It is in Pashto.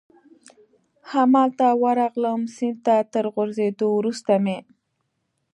همالته ورغلم، سیند ته تر غورځېدو وروسته مې.